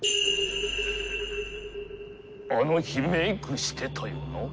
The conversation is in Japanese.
あの日メイクしてたよな？